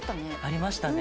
ありましたね。